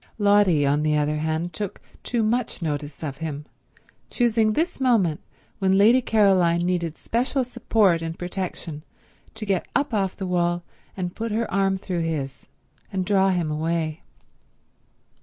Lotty, on the other hand, took too much notice of him, choosing this moment when Lady Caroline needed special support and protection to get up off the wall and put her arm through his and draw him away.